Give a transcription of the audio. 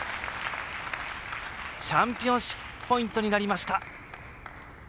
チャンピオンシップポイントになりました。